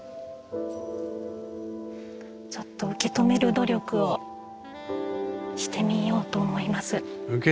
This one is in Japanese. ちょっと受け止める努力をしてみようと思います。